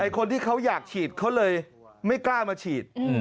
คนที่เขาอยากฉีดเขาเลยไม่กล้ามาฉีด